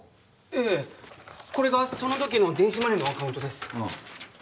ええこれがその時の電子マネーのアカウントです